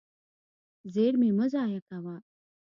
زیرمې مه ضایع کوه.